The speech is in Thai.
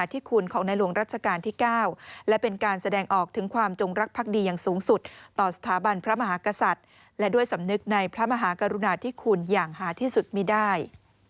ต่อสถาบันพระมหากษัตริย์และด้วยสำนึกในพระมหากรุณาที่คุณอย่างหาที่สุดมีได้